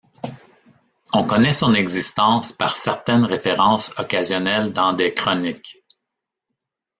On connait son existence par certaines références occasionnelles dans des chroniques.